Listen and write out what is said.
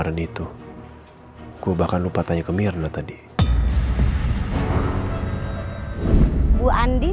terima kasih mbak tadi ibu andi